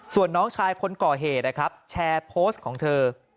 ส่วนน้องชายคนก่อเหตุนะครับแชร์โพสต์ของเธอ